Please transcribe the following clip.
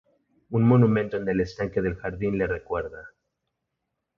Un monumento en el estanque del jardín le recuerda.